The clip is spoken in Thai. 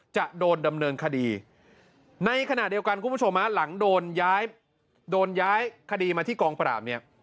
จะโดนดำเนินคดีในขณะเดียวกันคุณผู้ชมฮะหลังโดนย้ายโดนย้ายคดีมาที่กองปราบเนี่ย